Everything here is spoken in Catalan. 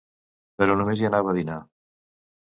Però només hi anava a dinar.